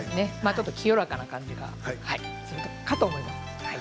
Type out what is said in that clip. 清らかな感じがするかと思います。